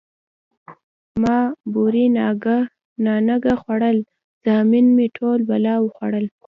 ـ ما بورې نانګه خوړل، زامن مې ټول بلا وخوړل.